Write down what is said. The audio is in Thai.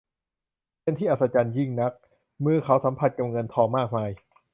เป็นที่อัศจรรย์ยิ่งนัก มือเขาสัมผัสกับเงินทองมากมาย